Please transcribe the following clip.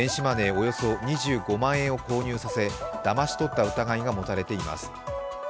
およそ２５万円を購入させ、だまし取った疑いが持たれています。